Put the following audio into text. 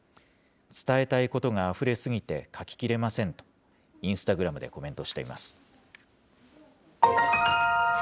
伝えたいことがあふれすぎて書ききれませんと、インスタグラムでコメントしています。